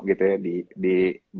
gitu ya di